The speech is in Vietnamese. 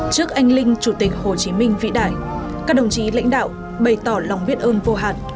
trước anh linh chủ tịch hồ chí minh vĩ đại các đồng chí lãnh đạo bày tỏ lòng biết ơn vô hạn